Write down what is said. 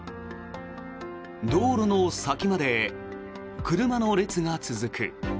道路の先まで車の列が続く。